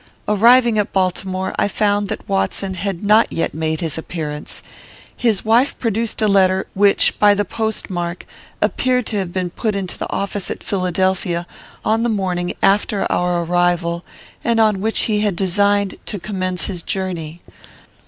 "'Arriving at Baltimore, I found that Watson had not yet made his appearance. His wife produced a letter, which, by the postmark, appeared to have been put into the office at Philadelphia, on the morning after our arrival, and on which he had designed to commence his journey.